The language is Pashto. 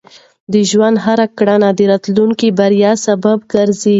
د ژوند هره کړنه د راتلونکي بریا سبب ګرځي.